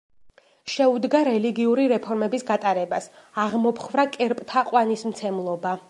შეუდგა რელიგიური რეფორმების გატარებას, აღმოფხვრა კერპთაყვანისმცემლობა.